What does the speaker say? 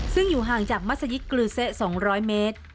ซึ่งอยู่ห่างจากมัศยิตกลือเซะ๒๐๐เมตร